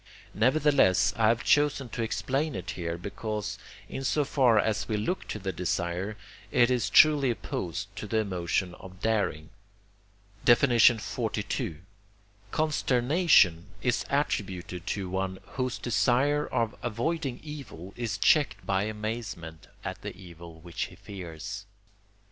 Nevertheless, I have chosen to explain it here, because, in so far as we look to the desire, it is truly opposed to the emotion of daring. XLII. Consternation is attributed to one, whose desire of avoiding evil is checked by amazement at the evil which he fears.